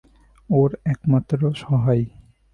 ওর একমাত্র সহায়।